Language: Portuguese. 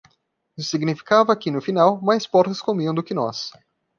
Isso significava que, no final, mais porcos comiam do que nós.